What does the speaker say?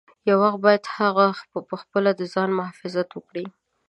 یو وخت باید هغوی پخپله د ځان مخافظت وکړي.